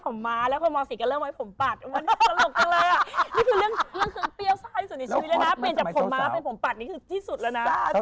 เปลี่ยนจากผมมาเป็นผมปัดนี่คือที่สุดแล้วนะ